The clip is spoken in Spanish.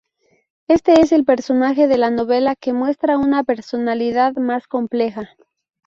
Este es el personaje de la novela que muestra una personalidad más compleja.